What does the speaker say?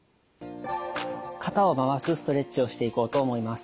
肩を回すストレッチをしていこうと思います。